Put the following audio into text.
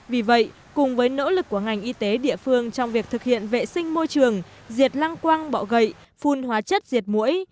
vì vậy cùng với nỗ lực của ngành y tế địa phương trong việc thực hiện vệ sinh môi trường diệt lan quang bỏ gãy phun hóa chất diệt mũi